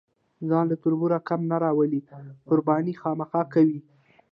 ځان له تربوره کم نه راولي، قرباني خامخا کوي.